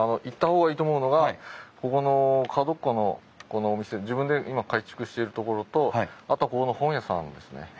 行った方がいいと思うのがここの角っこのこのお店自分で今改築してるところとあとここの本屋さんですね。